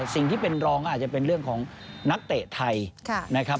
สิ่งที่เป็นรองก็อาจจะเป็นเรื่องของนักเตะไทยนะครับ